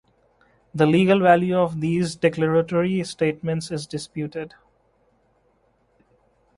The legal value of these declaratory statements is disputed.